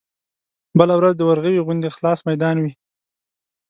بله ورځ د ورغوي غوندې خلاص ميدان وي.